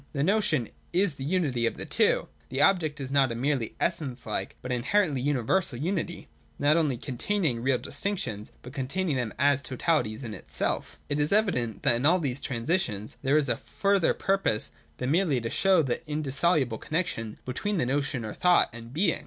The notion is the unity of the two ; and the object is not a merely essence like, but inherently universal unity, not only containing real distinctions, but containing them as totalities in itself It is evident that in all these transitions there is a further purpose than merely to show the indissoluble connexion between the notion or thought and being.